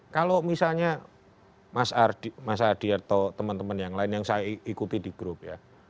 kalau misalnya mas adi atau teman teman yang lain yang saya ikuti di grup ya